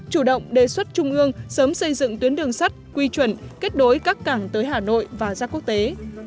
chủ động đề xuất trung ương sớm xây dựng tuyến đường sắt quy chuẩn kết nối các cảng tới hà nội và ra quốc tế